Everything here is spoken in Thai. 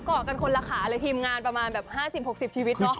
เกาะกันคนละขาเลยทีมงานประมาณแบบ๕๐๖๐ชีวิตเนอะ